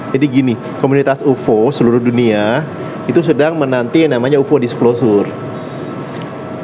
gini komunitas ufo seluruh dunia itu sedang menanti yang namanya ufo displosure